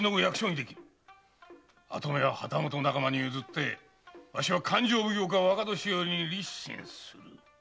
跡目は旗本仲間に譲ってわしは勘定奉行か若年寄に立身する。